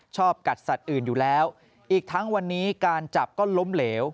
กัดสัตว์อื่นอยู่แล้วอีกทั้งวันนี้การจับก็ล้มเหลว